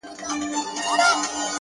هڅه د ناممکن دیوالونه نړوي,